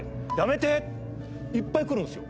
いっぱいくるんですよ。